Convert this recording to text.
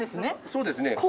そうですね。